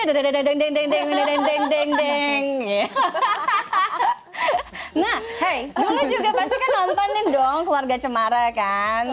nah hei juga pasti kan nontonin dong keluarga cemara kan